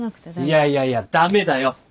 いやいやいやダメだよ！